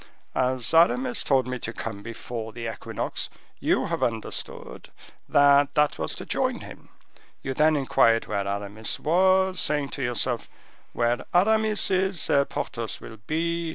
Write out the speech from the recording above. As Aramis told me to come before the equinox, you have understood that that was to join him. You then inquired where Aramis was, saying to yourself, 'Where Aramis is, there Porthos will be.